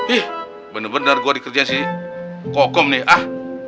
ih bener bener gua dikerjain si kokom nih ah